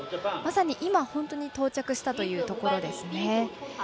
まさに今、本当に到着したというところです。